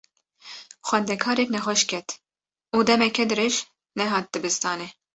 Xwendekarek nexweş ket û demeke dirêj nehat dibistanê.